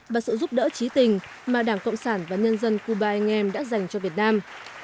và sự giúp đỡ trí tình mà đảng cộng sản và nhân dân cuba anh em đã dành cho việt nam